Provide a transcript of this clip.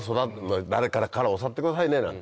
誰かから教わってくださいねなんて。